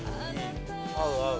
合う合う。